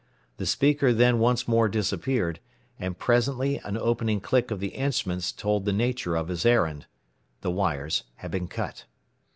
The speaker then once more disappeared, and presently an opening click of the instruments told the nature of his errand. The wires had been cut.